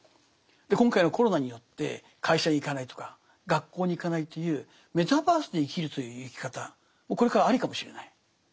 今回のコロナによって会社に行かないとか学校に行かないというメタバースで生きるという生き方もこれからありかもしれない。